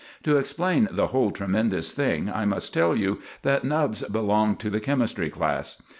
To explain the whole tremendous thing I must tell you that Nubbs belonged to the chemistry class.